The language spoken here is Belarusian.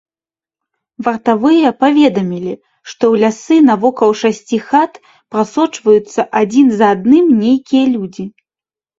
Вартавыя паведамілі, што ў лясы навокал шасці хат прасочваюцца адзін за адным нейкія людзі.